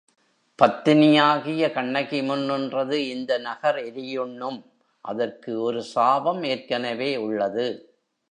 பத்தினியாகிய கண்ணகி முன் நின்றது இந்த நகர் எரியுண்ணும் அதற்கு ஒரு சாபம் எற்கனவே உள்ளது.